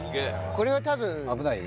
これは多分うん危ない？